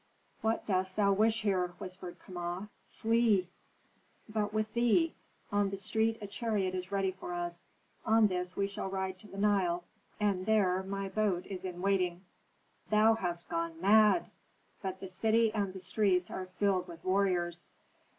"What dost thou wish here?" whispered Kama. "Flee!" "But with thee. On the street a chariot is ready for us; on this we shall ride to the Nile, and there my boat is in waiting." "Thou hast gone mad! But the city and the streets are filled with warriors."